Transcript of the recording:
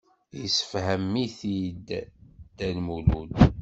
Yessefhem-it-id Dda Lmulud.